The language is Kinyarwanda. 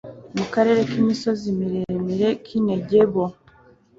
mu karere k imisozi miremire k n i negebu